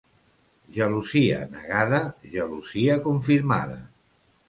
Gelosia negada, gelosia confirmada.